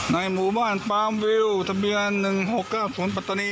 ในหมู่บ้านปรามวิวทะเบียนหนึ่งหกเก้าศูนย์ปัตตานี